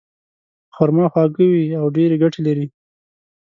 خرما خواږه وي او ډېرې ګټې لري.